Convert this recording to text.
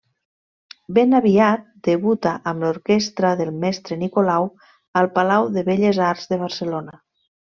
Ben aviat debuta amb l'orquestra del Mestre Nicolau al Palau de Belles Arts de Barcelona.